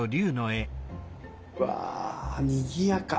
うわにぎやか！